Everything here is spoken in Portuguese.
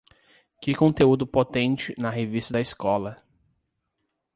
Que conteúdo potente na revista da escola!